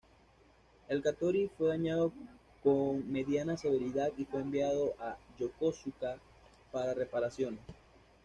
El "Katori" fue dañado con mediana severidad y fue enviado a Yokosuka para reparaciones.